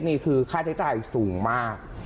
ชั้นเล็กนี้คือค่าใช้จ่ายสูงมาก